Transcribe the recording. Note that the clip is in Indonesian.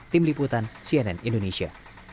tim liputan cnn indonesia